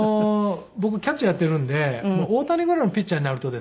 僕キャッチャーやっているんで大谷ぐらいのピッチャーになるとですね